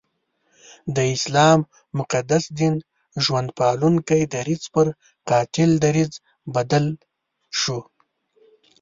د اسلام مقدس دین ژوند پالونکی درځ پر قاتل دریځ بدل شو.